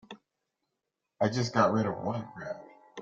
I just got rid of one crowd.